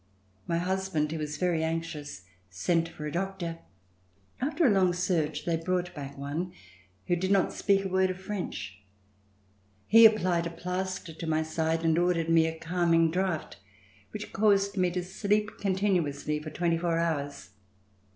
My husband who was very anxious sent for a doctor. After a long search they brought back one who did not speak a word of French. He applied a plaster to my side and ordered me a calming draft which caused me to sleep continuously for twenty four hours.